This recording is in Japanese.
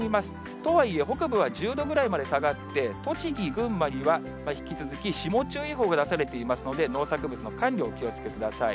とはいえ、北部は１０度ぐらいまで下がって、栃木、群馬には引き続き霜注意報が出されていますので、農作物の管理、お気をつけください。